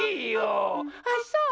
あっそう？